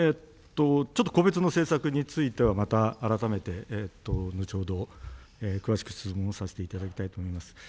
ちょっと個別の政策についてはまた改めて、後ほど詳しく質問させていただきたいと思います。